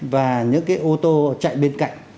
và những cái ô tô chạy bên cạnh